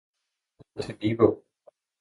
Nu tager vi afsted til Nivå